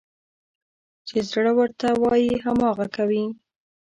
چې زړه ورته وايي، هماغه کوي.